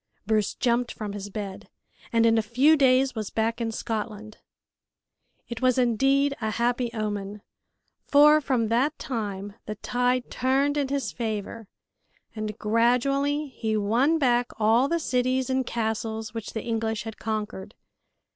Bruce jumped from his bed, and in a few days was back in Scotland. It was indeed a happy omen, for from that time the tide turned in his favor, and gradually he won back all the cities and castles which the English had conquered.